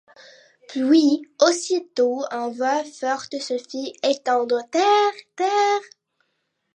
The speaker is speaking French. Puis, aussitôt, une voix forte se fit entendre: « Terre! terre !